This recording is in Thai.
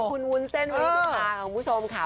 คุณวุ้นเส้นวันนี้นะคะคุณผู้ชมค่ะอ้ให้ค่อย